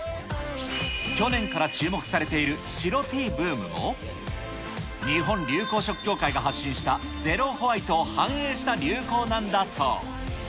去年から注目されている白Ｔブームも、日本流行色協会が発信したゼロホワイトを反映した流行なんだそう。